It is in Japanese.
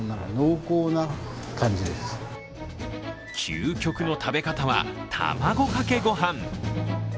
究極の食べ方は、卵かけ御飯。